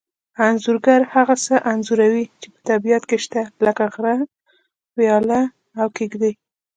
انځورګر هغه څه انځوروي چې په طبیعت کې شته لکه غره ویاله او کېږدۍ